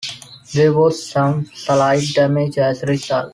There was some slight damage as a result.